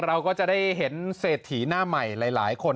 เราก็จะได้เห็นเศรษฐีหน้าใหม่หลายคน